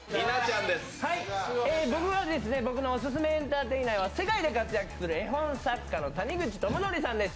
僕のオススメのエンターテイナーは世界で活躍する絵本作家の谷口智則さんです。